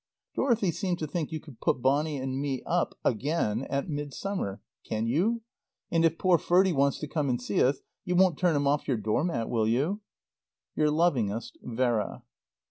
Dorothy seemed to think you could put Bonny and me up again! at Midsummer. Can you? And if poor Ferdie wants to come and see us, you won't turn him off your door mat, will you? Your lovingest "VERA."